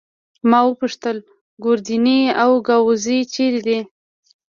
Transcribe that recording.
ما وپوښتل: ګوردیني او ګاووزي چيري دي؟